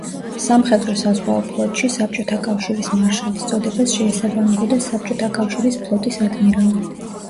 სამხედრო-საზღვაო ფლოტში საბჭოთა კავშირის მარშალის წოდებას შეესაბამებოდა საბჭოთა კავშირის ფლოტის ადმირალი.